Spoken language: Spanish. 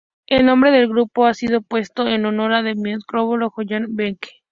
El nombre del grupo ha sido puesto en honor al microbiólogo Jonathan Beckwith.